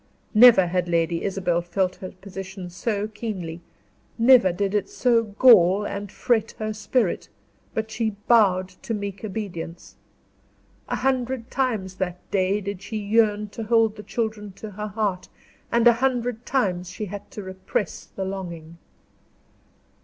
Never had Lady Isabel felt her position so keenly never did it so gall and fret her spirit; but she bowed to meek obedience. A hundred times that day did she yearn to hold the children to her heart, and a hundred times she had to repress the longing.